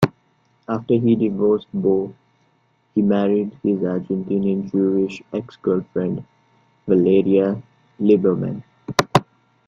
After he divorced Bo, he married his Argentinian Jewish ex-girlfriend, Valeria Liberman.